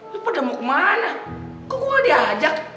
lo pada mau kemana kok gue di ajak